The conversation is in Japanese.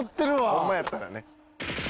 ホンマやったらね。